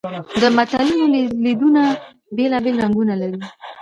د متلونو شالیدونه بېلابېل رنګونه لري